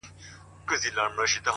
اما قصداً مي وغوښتل